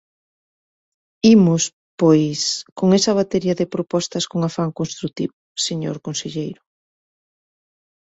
Imos, pois, con esa batería de propostas con afán construtivo, señor conselleiro.